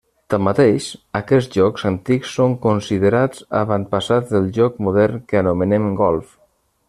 Tanmateix, aquests jocs antics són considerats avantpassats del joc modern que anomenem golf.